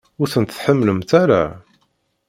Ur tent-tḥemmlemt ara?